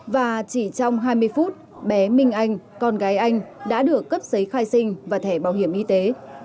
và chỉ trong hai mươi phút bé minh anh con gái anh đã được cấp giấy khai sinh và thẻ bảo hiểm y tế